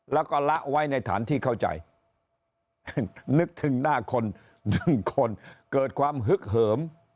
แล้วก็ละไว้ในฐานที่เข้าใจนึกถึงหน้าคนหนึ่งคนเกิดความฮึกเหิม